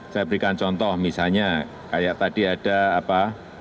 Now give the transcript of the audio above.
saya berikan contoh misalnya kayak tadi ada apa